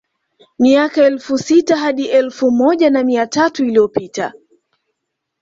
Miaka elfu sita hadi elfu moja na mia tatu iliyopita